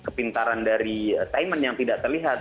kepintaran dari taiman yang tidak terlihat